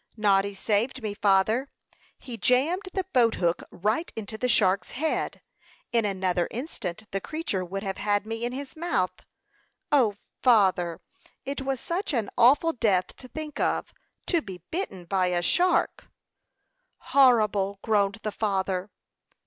"Noddy saved me, father. He jammed the boat hook right into the shark's head. In another instant the creature would have had me in his mouth. O, father, it was such an awful death to think of to be bitten by a shark!" "Horrible!" groaned the father.